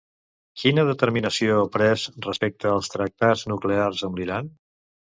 Quina determinació ha pres respecte als tractats nuclears amb l'Iran?